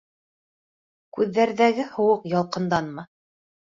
Күҙҙәрҙәге һыуыҡ ялҡынданмы?